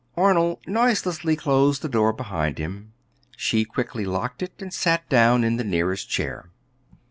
Arnold noiselessly closed the door behind him. She quickly locked it and sat down in the nearest chair.